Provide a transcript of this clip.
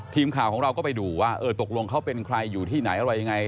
ทีมข่าวของเราก็ไปดูว่าเออตกลงเขาเป็นใครอยู่ที่ไหนอะไรยังไง